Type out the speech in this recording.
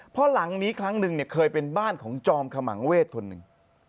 เพราะหลังนี้ครั้งหนึ่งเนี่ยเคยเป็นบ้านของจอมขมังเวทคนหนึ่ง